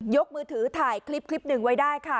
มือถือถ่ายคลิปคลิปหนึ่งไว้ได้ค่ะ